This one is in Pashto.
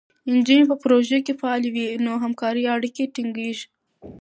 نجونې په پروژو کې فعالې وي، نو همکارۍ اړیکې ټینګېږي.